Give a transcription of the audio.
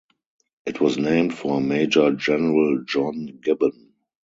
It was named for Major General John Gibbon.